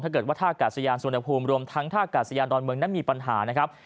ถ้าเกิดว่าท่ากาศยานสุวรรณภูมิรวมทั้งท่ากาศยานดอนเมืองนั้นมีปัญหานะครับ